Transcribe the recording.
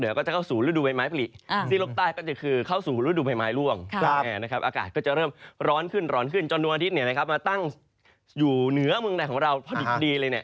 อยู่เหนือเมืองแหล่งของเราพอดีเลย